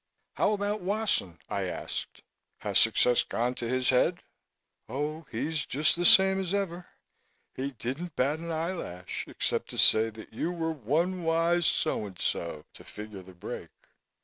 "How about Wasson?" I asked. "Has success gone to his head?" "Oh, he's just the same as ever. He didn't bat an eyelash except to say that you were one wise so and so to figure the break."